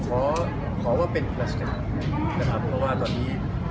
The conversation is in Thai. ถ้าถึงเวลาให้ตรงนี้